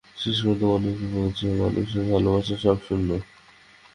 শেষ পর্যন্ত মানুষ বোঝে, মানুষের ভালবাসা সব শূন্য।